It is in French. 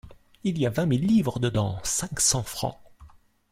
Il y a vingt mille livres dedans, cinq cents francs.